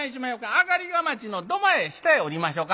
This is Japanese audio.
上がりがまちの土間へ下へ下りましょか。